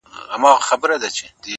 سیاه پوسي ده خاوري مي ژوند سه